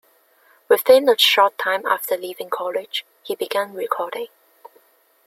Within a short time after leaving college, he began recording.